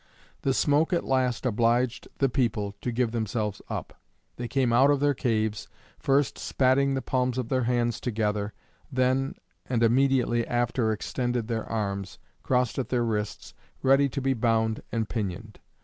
The smoke at last obliged the people to give themselves up. They came out of their caves, first spatting the palms of their hands together, then and immediately after extended their arms, crossed at their wrists, ready to be bound and pinioned.